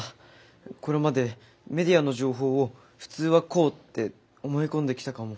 これまでメディアの情報を「普通はこう」って思い込んできたかも。